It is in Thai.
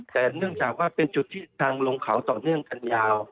แต่เนื่องจากว่าเป็นจุดที่ทางลงเขาต่อเนื่องกันยาว